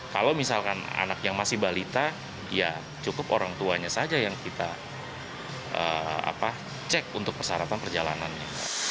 kalau misalkan anak yang masih balita ya cukup orang tuanya saja yang kita cek untuk persyaratan perjalanannya